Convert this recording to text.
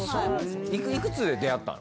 いくつで出会ったの？